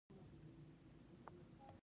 د نجونو تعلیم د ماشومانو روغتیا ساتي.